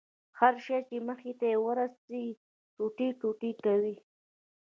هر شى چې مخې ته يې ورسي ټوټې ټوټې کوي يې.